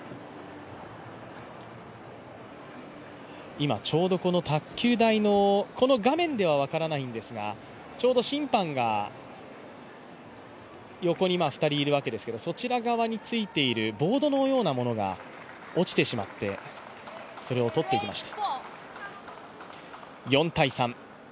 今、ちょうどこの卓球台の、この画面では分からないんですがちょうど審判が横に２人いるわけですけれども、そちら側についているボードのようなものが落ちてしまってそれを取っていきました。